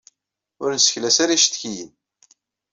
Ur nesseklas ara icetkiyen.